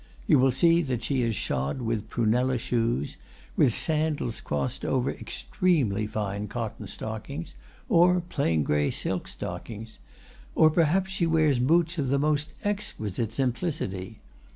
You will see that she is shod with prunella shoes, with sandals crossed over extremely fine cotton stockings, or plain gray silk stockings; or perhaps she wears boots of the most exquisite simplicity.